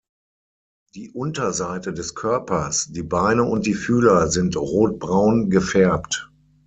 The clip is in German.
Die Unterseite des Körpers, die Beine und die Fühler sind rotbraun gefärbt.